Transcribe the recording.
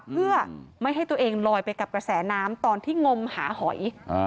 เพื่อไม่ให้ตัวเองลอยไปกับกระแสน้ำตอนที่งมหาหอย